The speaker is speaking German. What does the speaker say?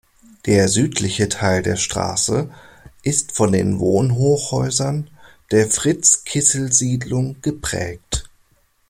Der südliche Teil der Straße ist von den Wohnhochhäusern der Fritz-Kissel-Siedlung geprägt.